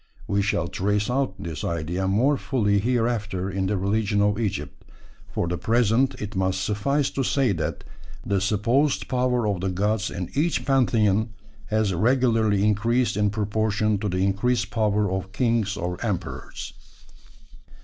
We shall trace out this idea more fully hereafter in the religion of Egypt; for the present it must suffice to say that the supposed power of the gods in each pantheon has regularly increased in proportion to the increased power of kings or emperors.